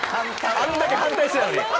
あんだけ反対してたのに。